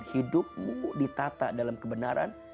hidupmu ditata dalam kebenaran